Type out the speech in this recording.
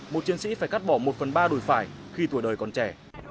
một chiến sĩ phải cắt bỏ một phần ba đùi phải khi tuổi đời còn trẻ